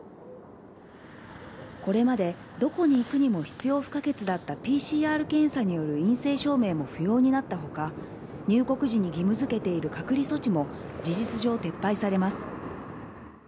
これまでどこに行くにも必要不可欠だったＰＣＲ検査による陰性証明も不要になったほか、入国時に義務づけている隔離措置も事実上、撤廃されます。